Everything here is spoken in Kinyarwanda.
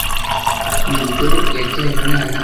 mugore yabyaye umwana.